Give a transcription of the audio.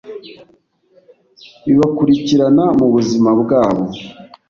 bibakurikirana mu buzima bwabo